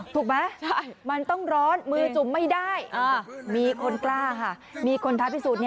ถูกไหมมันต้องร้อนมือจุ่มไม่ได้มีคนกล้าค่ะมีคนท้าพิสูจน์